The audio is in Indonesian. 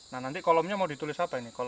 nah nanti kolomnya mau ditulis apa ini